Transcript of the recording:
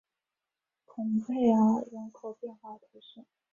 孔佩尔人口变化图示